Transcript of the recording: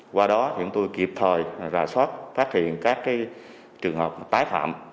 qua đó chúng tôi kịp thời rà soát phát hiện các trường hợp tái phạm